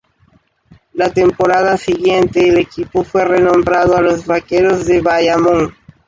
La temporada siguiente el equipo fue renombrado a Los Vaqueros de Bayamón.